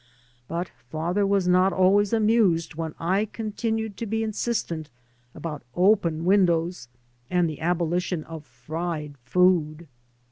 But father was not always amused when I continued to be insistent about open windows and the abolition of fried food.